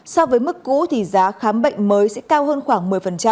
so với mức cũ thì giá khám bệnh mới sẽ cao hơn khoảng một mươi